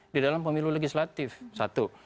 di dalam pemilu legislatif satu